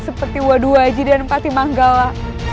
seperti waduhaiji dan patimanggala